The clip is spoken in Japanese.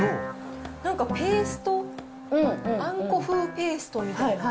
なんかペースト、あんこ風ペーストみたいな。